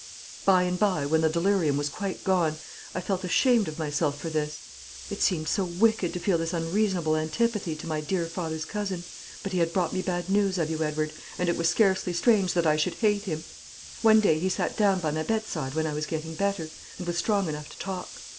"By and by, when the delirium was quite gone, I felt ashamed of myself for this. It seemed so wicked to feel this unreasonable antipathy to my dear father's cousin; but he had brought me bad news of you, Edward, and it was scarcely strange that I should hate him. One day he sat down by my bedside, when I was getting better, and was strong enough to talk.